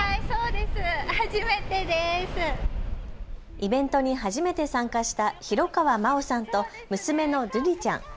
イベントに初めて参加した廣川真緒さんと娘の瑠莉ちゃん。